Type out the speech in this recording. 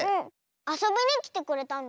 あそびにきてくれたの？